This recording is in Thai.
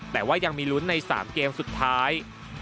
แต่ว่ายังมีลุ้นใน๓เกมสุดท้าย